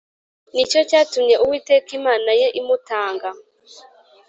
Ni cyo cyatumye Uwiteka Imana ye imutanga